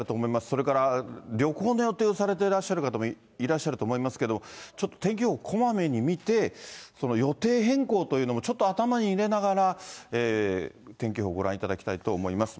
それから旅行の予定をされてらっしゃる方もいらっしゃると思いますけれども、ちょっと天気予報こまめに見て、予定変更というのも、ちょっと頭に入れながら、天気予報ご覧いただきたいと思います。